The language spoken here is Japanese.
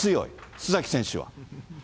須崎選手は。